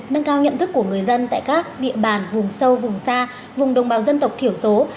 nâng cao nhận thức của người dân tại các địa bàn vùng sâu vùng xa vùng đồng bào dân tộc thiểu số